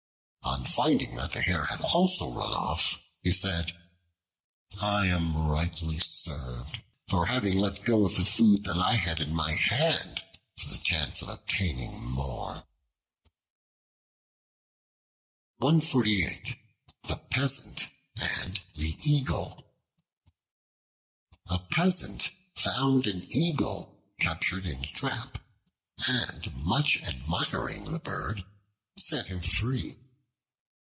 On finding that the Hare also had run off, he said, "I am rightly served, for having let go of the food that I had in my hand for the chance of obtaining more." The Peasant and the Eagle A PEASANT found an Eagle captured in a trap, and much admiring the bird, set him free.